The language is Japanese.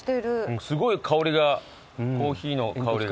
すごいコーヒーの香りが。